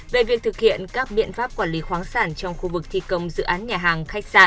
về việc thực hiện các biện pháp quản lý khoáng sản trong khu vực thi công dự án nhà hàng khách sạn